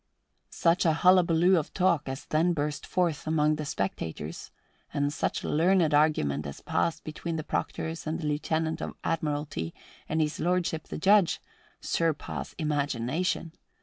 Such a hullabaloo of talk as then burst forth among the spectators, and such learned argument as passed between the proctors and the Lieutenant of Admiralty and His Lordship the Judge, surpass imagination.